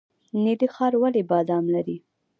نیلي ښار ولې بادام لري؟